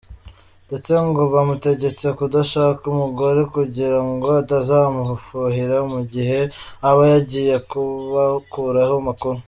Ndetse ngo bamutegetse kudashaka umugore kugira ngo atazamufuhira, mu gihe aba yagiye kubakuraho amakuru.